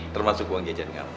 termasuk uang jajan kamu